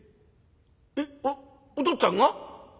えっお父っつぁんが？